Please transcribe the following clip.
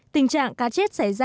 tình trạng cá chết sẽ giảm